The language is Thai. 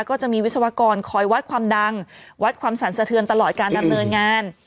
ก็จะมีวิศวกรคอยวัดความดังวัดความสั่นสะเทือนตลอดการดำเนินงาน